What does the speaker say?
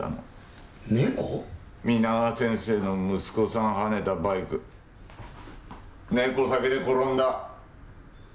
皆川先生の息子さんはねたバイクネコ避けて転んだ。